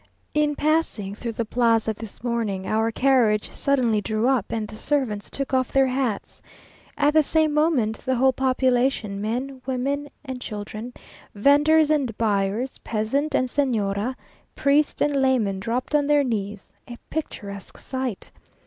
In passing through the Plaza this morning, our carriage suddenly drew up, and the servants took off their hats. At the same moment, the whole population, men, women, and children, vendors and buyers, peasant and Señora, priest and layman, dropped on their knees, a picturesque sight.